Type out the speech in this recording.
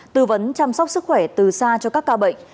tư vấn chăm sóc sức khỏe từ xa cho các ca bệnh